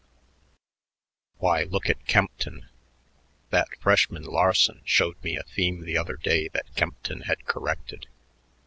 Why, look at Kempton. That freshman, Larson, showed me a theme the other day that Kempton had corrected.